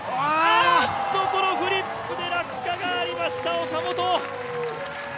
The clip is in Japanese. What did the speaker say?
このフリップで落下がありました岡本。